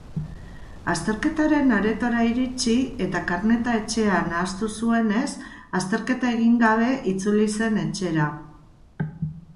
Azterketaren aretora iritsi eta karneta etxean ahaztu zuenez, azterketa egin gabe itzuli zen etxera